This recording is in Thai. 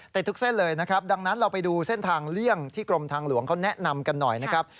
ทุกเส้นเลยนะครับดังนั้นเราไปดูเส้นทางเลี่ยงที่กรมทางหลวงเขาแนะนำกันหน่อยนะครับ